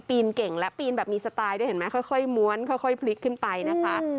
นเก่งและปีนแบบมีสไตล์ได้เห็นไหมค่อยม้วนค่อยพลิกขึ้นไปนะคะ